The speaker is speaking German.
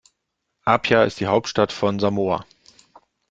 Apia ist die Hauptstadt von Samoa.